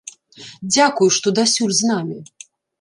Дзякуй, што дасюль з намі!